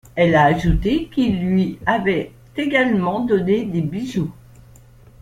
Elle a ajouté qu'il lui avait également donné des bijoux.